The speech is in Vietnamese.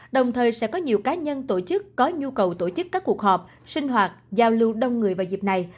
đồng thời sẽ có nhiều cá nhân tổ chức có nhu cầu tổ chức các cuộc họp sinh hoạt giao lưu đông người vào dịp này